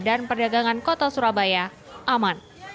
dan perdagangan kota surabaya aman